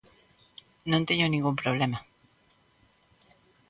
Non teño ningún problema.